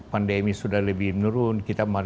pandemi sudah lebih menurun kita